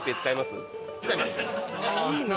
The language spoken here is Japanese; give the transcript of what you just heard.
いいな。